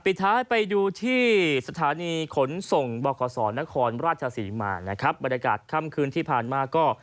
ปิดท้ายไปดูที่สถานีขนส่งบขศนครราชศรีมานะครับบรรยากาศค่ำคืนที่ผ่านมาก็